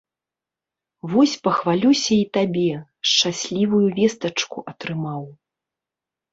Вось пахвалюся і табе, шчаслівую вестачку атрымаў.